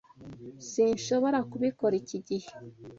Sinshobora kubikora iki gihe.